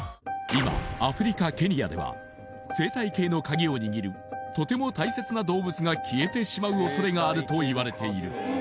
今アフリカケニアでは生態系の鍵を握るとても大切な動物が消えてしまうおそれがあるといわれている